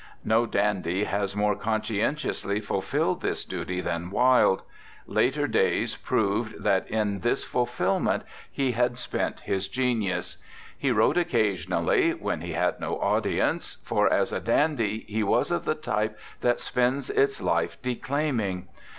No dandy has more conscientiously fulfilled this duty than Wilde; later days proved that in this fulfilment he had 97 RECOLLECTIONS OF OSCAR WILDE spent his genius. He wrote occasion ally, when he had no audience; for as a dandy he was of the type that spends its life declaiming.